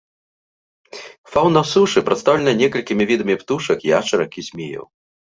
Фаўна сушы прадстаўлена некалькімі відамі птушак, яшчарак і змеяў.